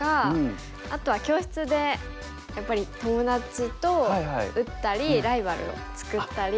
あとは教室でやっぱり友達と打ったりライバルを作ったり。